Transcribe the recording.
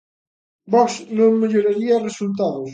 Vox non melloraría resultados.